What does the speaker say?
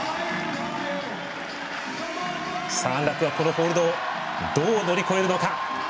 安楽は、このホールドをどう乗り越えるのか。